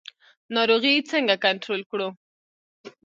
ناروغي څنګه کنټرول کړو؟